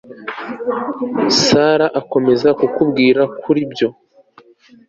Sara akomeza kukubwira kuribyo